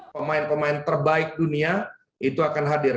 pemain pemain terbaik dunia itu akan hadir